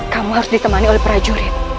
kamu harus ditemani oleh prajurit